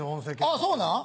あぁそうなん？